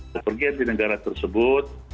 berpergian ke negara tersebut